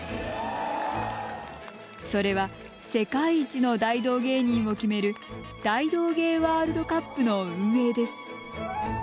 それは世界一の大道芸人を決める「大道芸ワールドカップ」の運営です。